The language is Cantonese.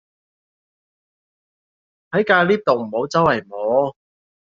喺架 𨋢 度唔好週圍摸